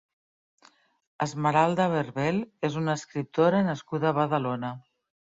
Esmeralda Berbel és una escriptora nascuda a Badalona.